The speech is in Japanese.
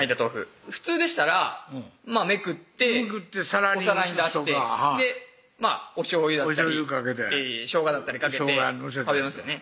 普通でしたらめくってお皿に出しておしょうゆだったりしょうがだったりかけて食べますよね